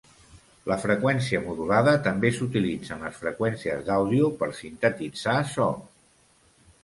La freqüència modulada també s'utilitza en les freqüències d'àudio per sintetitzar so.